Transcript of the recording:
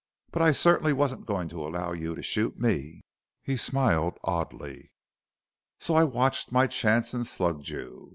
But I certainly wasn't going to allow you to shoot me." He smiled oddly. "So I watched my chance and slugged you.